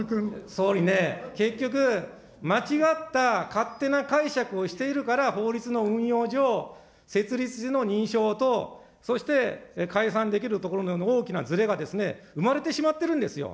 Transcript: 総理ね、結局、間違った勝手な解釈をしているから、法律の運用上、設立時の認証とそして解散できるところとの大きなずれが生まれてしまってるんですよ。